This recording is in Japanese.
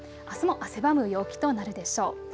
あすも汗ばむ陽気となるでしょう。